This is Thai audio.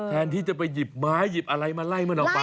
แทนที่จะไปหยิบไม้หยิบอะไรมาไล่มันออกไป